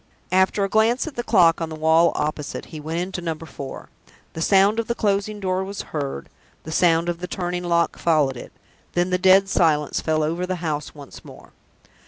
After a glance at the clock on the wall opposite, he went into Number Four. The sound of the closing door was heard, the sound of the turning lock followed it. Then the dead silence fell over the house once more.